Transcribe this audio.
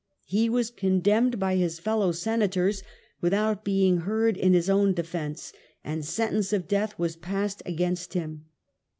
He was condemned by his fellow senators without being heard in his own defence, and sentence of death was passed against him.